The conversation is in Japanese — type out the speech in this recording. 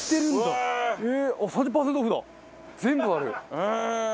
全部ある。